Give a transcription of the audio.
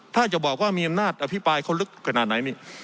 ถ้าจะบอกว่ามีอำนาจอภิปรายเขาลึกขนาดไหนนี่